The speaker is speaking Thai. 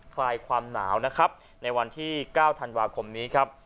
คลายความหนาวนะครับในวันที่๙ธันวาคมนี้ครับ